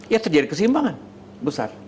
ya terjadi kesimbangan besar